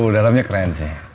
dalemnya keren sih